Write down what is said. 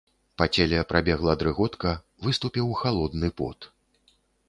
Па целе прабегла дрыготка, выступіў халодны пот.